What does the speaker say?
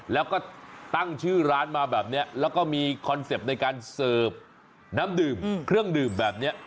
แล้วก็ตั้งชื่อร้านมาแบบนี้แล้วก็มีคอนเซ็ปต์ในการเสิร์ฟน้ำดื่มเครื่องดื่มแบบนี้